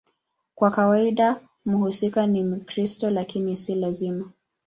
Kwa kawaida mhusika ni Mkristo, lakini si lazima.